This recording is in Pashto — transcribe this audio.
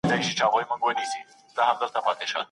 د لکۍ بوڼکي يې اوږدې دي .